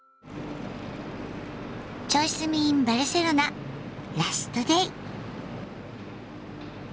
「チョイ住みｉｎバルセロナ」ラストデイ！